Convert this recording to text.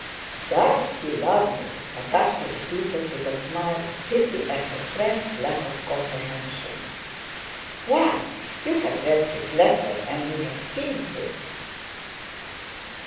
"Does he love me?" Natásha repeated with a smile of pity at her friend's lack of comprehension. "Why, you have read his letter and you have seen him."